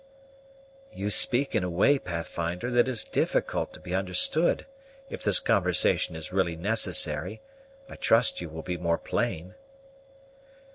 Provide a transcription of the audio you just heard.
"You speak in a way, Pathfinder, that is difficult to be understood. If this conversation is really necessary, I trust you will be more plain."